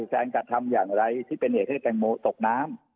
แซนกระทำอย่างไรที่เป็นเหตุให้แตงโมตกน้ำ